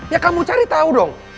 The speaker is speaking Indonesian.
ya kamu cari tahu dong